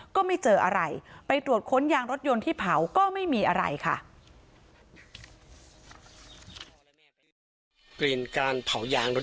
ก็ไม่เจออะไรไปตรวจค้นยางรถยนต์ที่เผาก็ไม่มีอะไรค่ะ